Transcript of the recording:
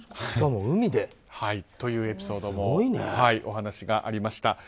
すごいね。というエピソードもお話がありました。